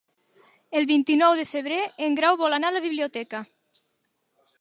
El vint-i-nou de febrer en Grau vol anar a la biblioteca.